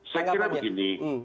saya kira begini